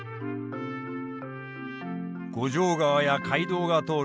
五条川や街道が通る